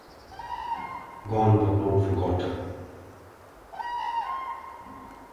Gone but not forgotte.